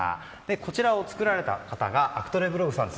こちらを作られた方がアクトレブログさんです。